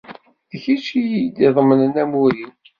D kečč i iyi-iḍemnen amur-iw.